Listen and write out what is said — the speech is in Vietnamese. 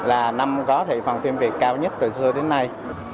là năm có thị phần phim việt cao nhất từ xưa đến nay